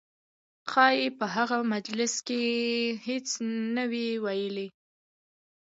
ښایي په هغه مجلس کې هېڅ نه وي ویلي.